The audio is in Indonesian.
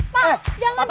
pak jangan gitu